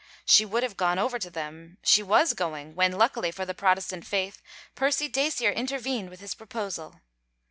She would have gone over to them, she was going when, luckily for the Protestant Faith, Percy Dacier intervened with his proposal.